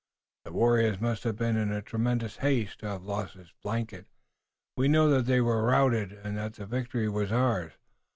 The warrior must have been in tremendous haste to have lost his blanket. We know now that they were routed, and that the victory was ours.